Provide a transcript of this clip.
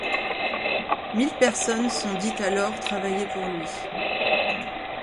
Mille personnes sont dites alors travailler pour lui.